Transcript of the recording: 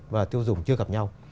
và tiêu dùng chưa gặp nhau